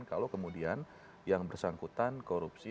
kalau kemudian yang bersangkutan korupsi